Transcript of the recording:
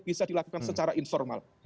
bisa dilakukan secara informal